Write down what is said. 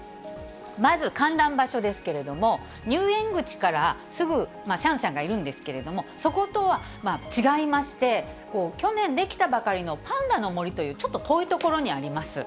まず観覧場所ですけれども、入園口からすぐシャンシャンがいるんですけれども、そことは違いまして、去年出来たばかりのパンダの森というちょっと遠い所にあります。